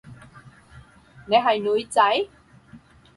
你係女仔？